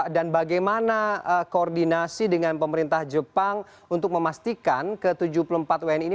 dan bagaimana koordinasi dengan pemerintah jepang untuk memastikan ke tujuh puluh empat wni ini